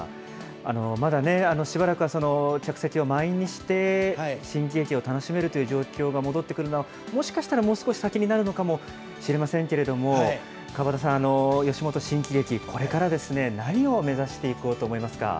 まだね、しばらくは客席を満員にして、新喜劇を楽しめるという状況が戻ってくるのは、もしかしたらもう少し先になるのかもしれませんけれども、川畑さん、吉本新喜劇、これからですね、何を目指していこうと思いますか。